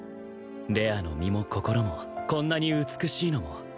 怜愛の身も心もこんなに美しいのも